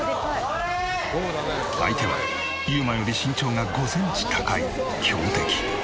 相手は侑真より身長が５センチ高い強敵。